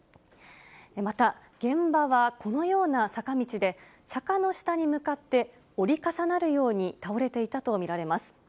また、現場はこのような坂道で、坂の下に向かって、折り重なるように倒れていたと見られます。